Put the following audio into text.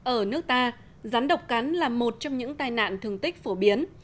ở nước ta rắn độc cắn là một trong những tai nạn thương tích phổ biến